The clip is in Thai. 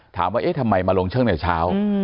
ถามว่าทำไมมาลงช่องตั้งแต่เช้า